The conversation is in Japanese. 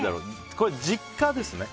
これは実家ですね。